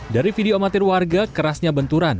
dari video amatir warga kerasnya benturan